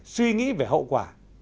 suy nghĩ về hậu quả